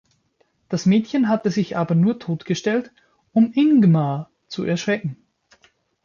Das Mädchen hatte sich aber nur tot gestellt, um Ingmar zu erschrecken.